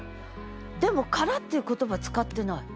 でも「殻」っていう言葉使ってない。